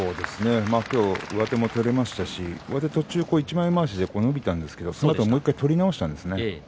上手も取れましたし途中、一枚まわしで上手が伸びたんですけれども、もう１回取り直したんですね。